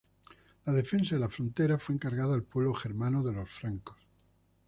La defensa de la frontera fue encargada al pueblo germano de los francos.